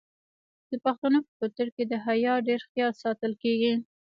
د پښتنو په کلتور کې د حیا ډیر خیال ساتل کیږي.